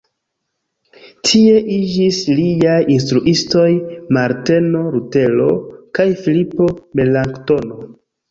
Tie iĝis liaj instruistoj Marteno Lutero kaj Filipo Melanktono.